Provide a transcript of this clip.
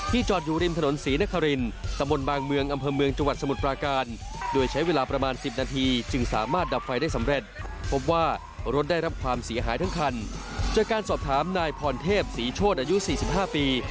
ขอร์นเทพศรีโชษอายุ๔๕ปี